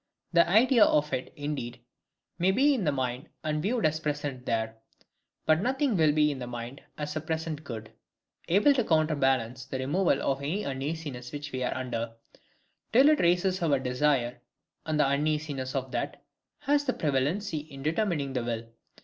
The idea of it indeed may be in the mind and viewed as present there; but nothing will be in the mind as a present good, able to counterbalance the removal of any uneasiness which we are under, till it raises our desire; and the uneasiness of that has the prevalency in determining the will.